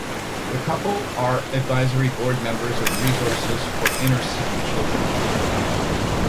The couple are advisory board members of Resources for Inner City Children.